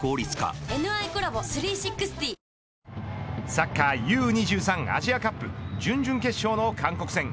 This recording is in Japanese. サッカーＵ２３アジアカップ準々決勝の韓国戦。